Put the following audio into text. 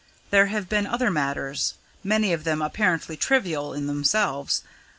There have been other matters many of them apparently trivial in themselves.